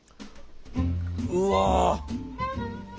うわ。